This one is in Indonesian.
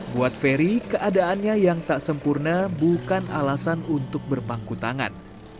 buat ferry keadaannya yang tak sempurna bukan alasan untuk berpangku tangan